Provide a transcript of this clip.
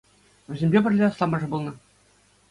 Вӗсемпе пӗрле асламӑшӗ пулнӑ.